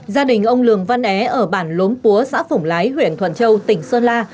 gia đình ông lường văn é ở bản lốm púa xã phổng lái huyện thuận châu tỉnh sơn la